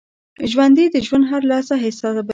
ژوندي د ژوند هره لحظه حسابوي